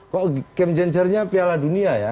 kok game changernya piala dunia ya